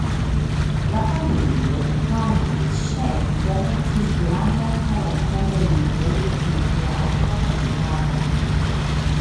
La familio Tamanŝev donacis grandan kolekton de libroj pri teatro kaj dramo.